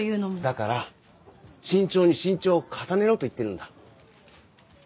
だから慎重に慎重を重ねろと言ってるんだ。